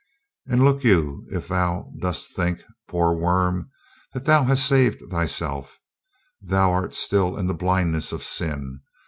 "And look you, if thou dost think (poor worm!) that thou hast saved thyself, thou art still in the blindness of sin.